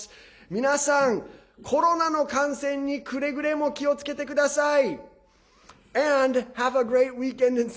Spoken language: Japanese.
皆さん、コロナの感染にくれぐれも気をつけてください！